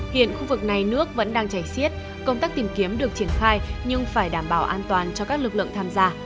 hiện khu vực này nước vẫn đang chảy xiết công tác tìm kiếm được triển khai nhưng phải đảm bảo an toàn cho các lực lượng tham gia